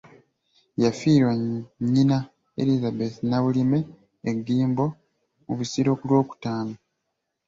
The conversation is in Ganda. Yafiirwa Nnyina Elizabeth Nabulime e Gimbo mu Busiro ku Lwokutaano.